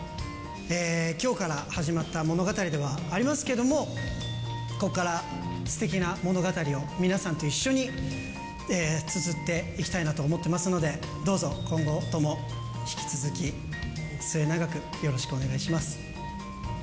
きょうから始まった物語ではありますけれども、ここからすてきな物語を皆さんと一緒につづっていきたいなと思っていますので、どうぞ今後とも引き続き末永くよろしくお願いします。